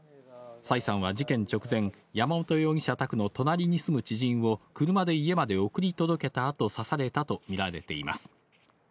崔さんは事件直前、山本容疑者宅の隣に住む知人を車で家まで送り届けたあと、刺されたと見られています。